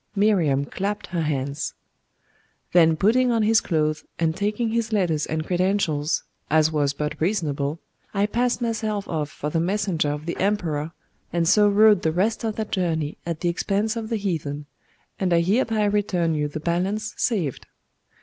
Miriam clapped her hands. 'Then putting on his clothes, and taking his letters and credentials, as was but reasonable, I passed myself off for the messenger of the emperor, and so rode the rest of that journey at the expense of the heathen; and I hereby return you the balance saved.